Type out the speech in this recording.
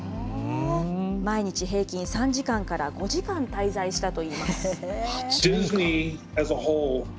毎日平均３時間から５時間滞在したといいます。